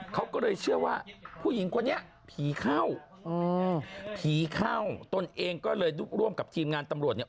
เขาก็เลยเชื่อว่าผู้หญิงคนนี้ผีเข้าผีเข้าตนเองก็เลยร่วมกับทีมงานตำรวจเนี่ย